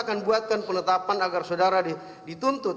akan buatkan penetapan agar saudara dituntut